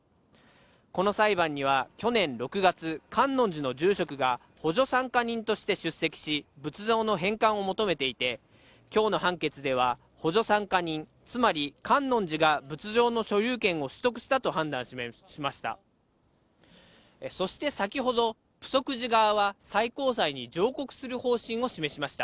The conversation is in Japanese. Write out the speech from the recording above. この裁判には、去年６月、観音寺の住職が、補助参加人として出席し、仏像の返還を求めていて、きょうの判決では、補助参加人、つまり観音寺が仏像の所有権を取得したと判断しました。